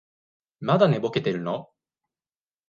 まだ寝ぼけてるの？